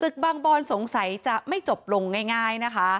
บางบอนสงสัยจะไม่จบลงง่ายนะคะ